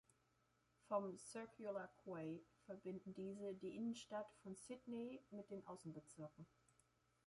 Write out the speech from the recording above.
Vom Circular Quay verbinden diese die Innenstadt von Sydney mit den Außenbezirken.